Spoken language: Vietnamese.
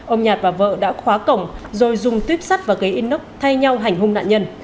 ông nhạt và vợ đã khóa cổng rồi dùng tuyếp sắt và kế in ốc thay nhau hành hung nạn nhân